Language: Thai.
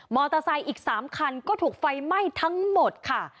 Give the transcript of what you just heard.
มอเตอร์ไซค์อีก๓คันก็ถูกไฟไหม้ทั้งหมดค่ะ